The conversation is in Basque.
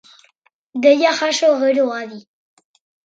Deia jaso gero, adi!